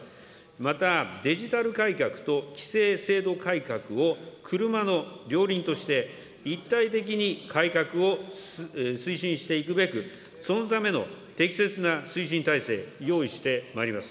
また、デジタル改革と規制制度改革を車の両輪として、一体的に改革を推進していくべく、そのための適切な推進体制、用意してまいります。